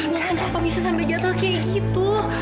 kenapa bisa sampai jatuh kayak gitu